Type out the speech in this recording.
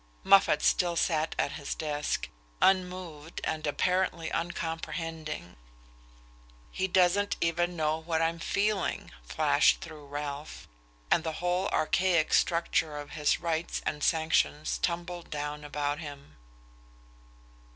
Moffatt still sat at his desk, unmoved and apparently uncomprehending. "He doesn't even know what I'm feeling," flashed through Ralph; and the whole archaic structure of his rites and sanctions tumbled down about him.